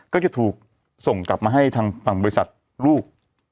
ก็จะถูกส่งกลับมาให้ทางฝั่งบริษัทลูก